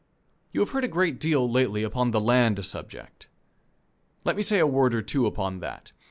You have heard a great deal lately upon the land subject. Let me say a word or two upon that.